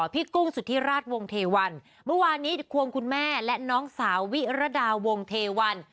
กุ้งสุธิราชวงเทวันเมื่อวานนี้ควงคุณแม่และน้องสาววิรดาวงเทวัน